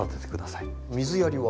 水やりは？